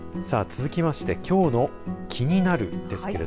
さあ続きましてきょうのキニナル！です